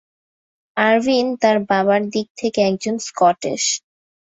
Ervine তার বাবার দিক থেকে একজন স্কটিশ।